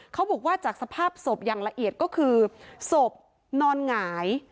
เขาบอกว่าจากสภาพศพอย่างละเอียดก็คือศพนอนหงาย